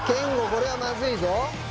これはまずいぞ。